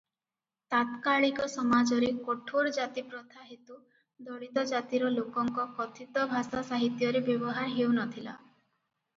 ତାତ୍କାଳୀକ ସମାଜରେ କଠୋର ଜାତିପ୍ରଥା ହେତୁ ଦଳିତ ଜାତିର ଲୋକଙ୍କ କଥିତ ଭାଷା ସାହିତ୍ୟରେ ବ୍ୟବହାର ହେଉନଥିଲା ।